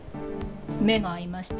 目が合いました。